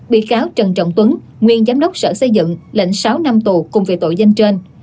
bị cáo trần trọng tuấn nguyên giám đốc sở xây dựng lệnh sáu năm tù cùng về tội danh trên